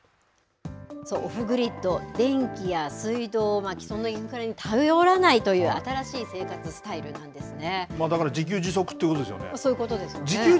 オフグリッド、電気や水道、そのインフラに頼らないという生活スタイルなんですね。